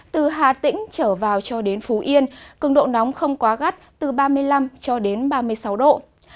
từ hà tĩnh trở vào cho đến phú yên cường độ nóng không quá gắt từ ba mươi năm cho đến ba mươi sáu độ